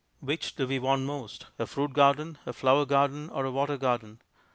Which do we want most a fruit garden, a flower garden, or a water garden?